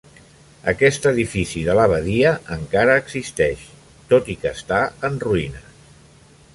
Aquest edifici de l'abadia encara existeix, tot i que està en ruïnes.